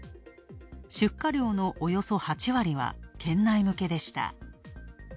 出荷量のおよそ８割は県内向けでした。